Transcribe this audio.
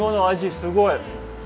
すごい。